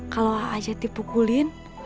kalau a'ajat dipukulin